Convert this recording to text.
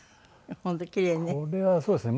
これはそうですね。